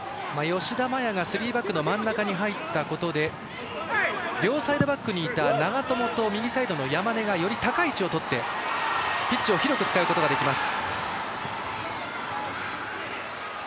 吉田麻也がスリーバックの真ん中に入ったことで両サイドバックにいた長友と右サイドバックにいた山根より高い位置をとってピッチを広く使うことができます。